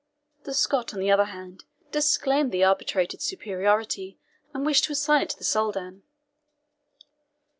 The Scot, on the other hand, disclaimed the attributed superiority, and wished to assign it to the Soldan.